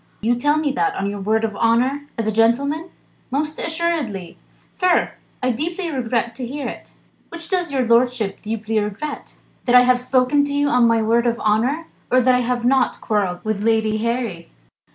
"You tell me that, on your word of honour as a gentleman?" "Most assuredly!" "Sir! I deeply regret to hear it." "Which does your lordship deeply regret? That I have spoken to you on my word of honour, or that I have not quarrelled with Lady Harry?"